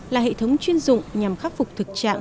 là hệ thống chuyên dụng nhằm khắc phục thực trạng